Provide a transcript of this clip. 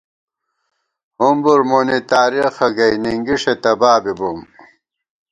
ہُمبُر مونی تارېخہ گئ ، نِنگِݭے تبا بی بوم